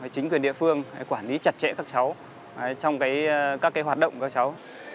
chính quyền địa phương quản lý chặt chẽ các cháu trong các hoạt động của các cháu